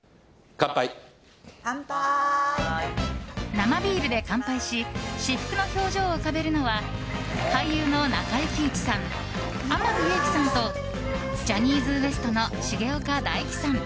生ビールで乾杯し至福の表情を浮かべるのは俳優の中井貴一さん天海祐希さんとジャニーズＷＥＳＴの重岡大毅さん。